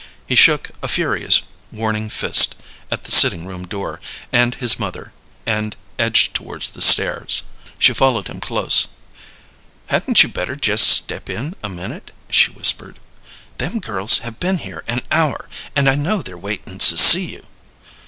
He shook a furious warning fist at the sitting room door and his mother, and edged towards the stairs. She followed him close. "Hadn't you better jest step in a minute?" she whispered. "Them girls have been here an hour, and I know they're waitin' to see you."